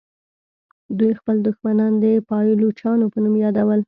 دوی خپل دښمنان د پایلوچانو په نوم یادول.